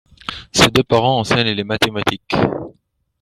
Ses deux parents enseignent les mathématiques.